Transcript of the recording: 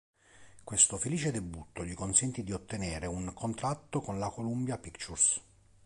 Questo felice debutto gli consentì di ottenere un contratto con la Columbia Pictures.